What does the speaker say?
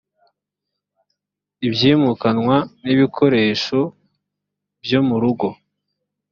ibyimukanwa ni ibikoresho byo mu rugo.